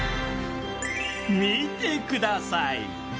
見てください。